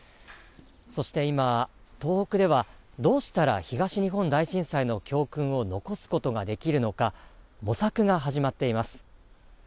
そして今、東北ではどうしたら東日本大震災の教訓を残すことができるのか、模索が始まっています。